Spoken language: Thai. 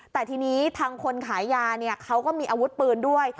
แต่ทีนี้ทางคนขายยาเนี่ยเขาก็มีอาวุธปืนด้วย